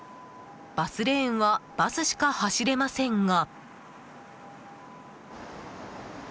バスレーンはバスしか走れませんが。